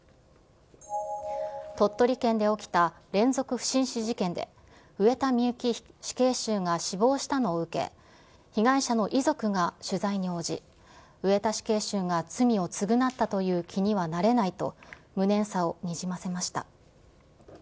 鳥取県で起きた連続不審死事件で、上田美由紀死刑囚が死亡したのを受け、被害者の遺族が取材に応じ、上田死刑囚が罪を償ったという気にはなれないと、無念さをにじませました。